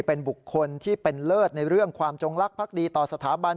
เป็นบุคคลที่เป็นเลิศในเรื่องความจงลักษ์ดีต่อสถาบัน